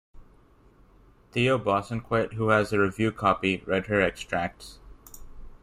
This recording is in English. Theo Bosanquet, who has a review copy, read her extracts.